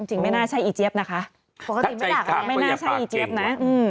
จริงไม่น่าใช่อีเจี๊ยบนะคะไม่น่าใช่อีเจี๊ยบนะ